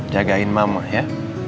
jagain mama ya